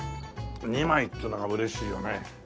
２枚っていうのが嬉しいよね。